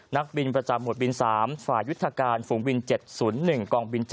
นักบินประจำหวดบิน๓ฝ่ายยุทธการฝูงบิน๗๐๑กองบิน๗